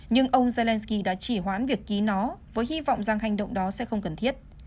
nhưng ông zelensky đã chỉ hoãn việc ký nó với hy vọng rằng hành động đó sẽ không cần thiết